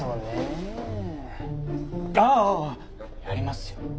やりますよ。